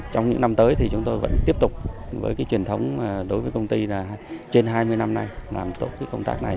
trong những năm tới thì chúng tôi vẫn tiếp tục với truyền thống đối với công ty là trên hai mươi năm nay làm tốt công tác này